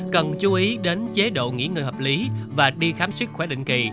cần chú ý đến chế độ nghỉ người hợp lý và đi khám sức khỏe định kỳ